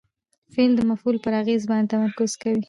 فعل د مفعول پر اغېز باندي تمرکز کوي.